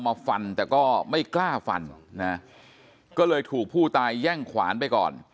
มาฟันแต่ก็ไม่กล้าฟันนะก็เลยถูกผู้ตายแย่งขวานไปก่อน